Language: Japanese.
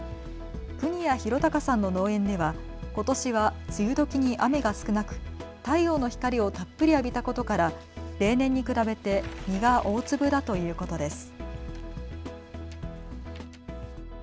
國谷博隆さんの農園ではことしは梅雨どきに雨が少なく太陽の光をたっぷり浴びたことから例年に比べて実が大粒だということです。